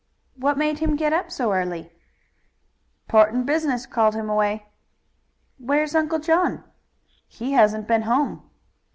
"What made him get up so early?" "'Portant business called him away." "Where's Uncle John?" "He hasn't been home."